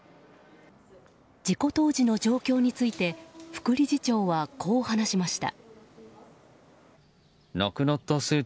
事故当時の状況について副理事長は、こう話しました。